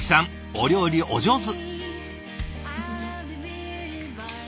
お料理お上手。